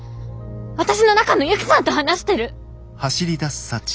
私の中のユキさんと話してる！